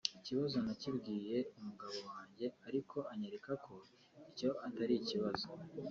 Ikibazo nakibwiye umugabo wanjye ariko anyereka ko icyo atari ikibazo